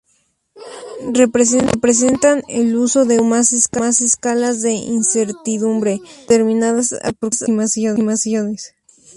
Representan el uso de una o más escalas de incertidumbre en determinadas aproximaciones.